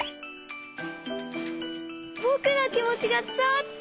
ぼくのきもちがつたわった！